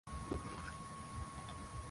na kualika msikilizaji